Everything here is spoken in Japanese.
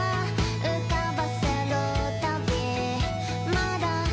「浮かばせるたびまだ」